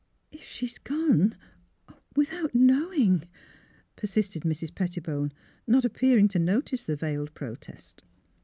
" If she has gone — without knowing " per sisted Mrs. Pettibone, not appearing to notice the veiled protest.